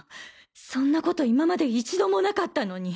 そんなこと今まで一度もなかったのに。